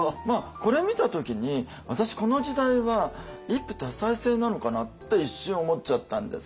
これ見た時に私この時代は一夫多妻制なのかなって一瞬思っちゃったんですよ。